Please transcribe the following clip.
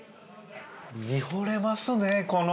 見ほれますねこの。